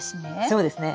そうですね。